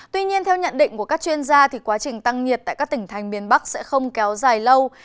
tuy nhiên theo nhận định của các chuyên gia quá trình tăng nhiệt tại các tỉnh thành miền bắc sẽ không kéo dài lâu